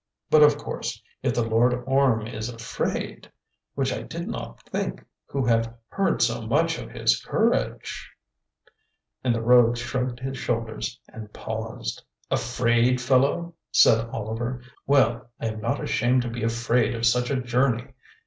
But, of course, if the Lord Orme is afraid, which I did not think who have heard so much of his courage——" and the rogue shrugged his shoulders and paused. "Afraid, fellow," said Oliver, "well, I am not ashamed to be afraid of such a journey.